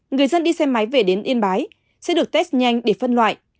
người dân đi xe máy về đến yên bái sẽ được test nhanh để phân loại